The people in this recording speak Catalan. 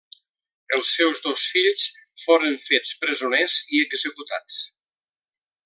Els seus dos fills foren fets presoners i executats.